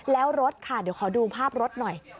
แล้วรถค่ะเดี๋ยวขอดูภาพรถหน่อย